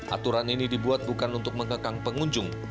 aturan ini dibuat bukan untuk mengekang pengunjung